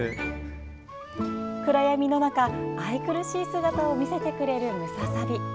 暗闇の中、愛くるしい姿を見せてくれるムササビ。